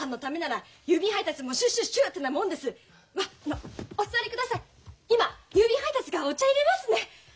今郵便配達がお茶いれますね。